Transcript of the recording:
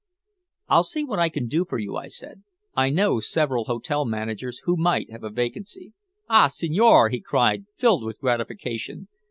"I'll see what I can do for you," I said. "I know several hotel managers who might have a vacancy." "Ah, signore!" he cried, filled with gratification.